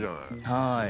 はい。